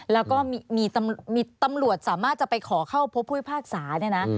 แล้วก็มีตำรวจสามารถจะไปขอเข้าพบผู้พิพากษาเนี่ยนะ